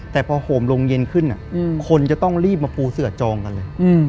แต่พอโหมลงเย็นขึ้นคนจะต้องรีบมาปูเสือจองกันเลย